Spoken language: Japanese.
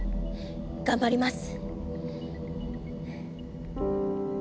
頑張ります。